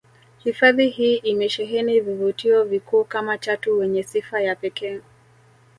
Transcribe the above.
Hifadhi hii imesheheni vivutio vikuu kama chatu wenye sifa ya pekee